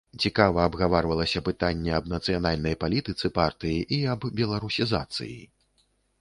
Цікава абгаварвалася пытанне аб нацыянальнай палітыцы партыі і аб беларусізацыі.